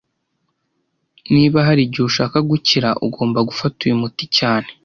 Niba hari igihe ushaka gukira, ugomba gufata uyu muti cyane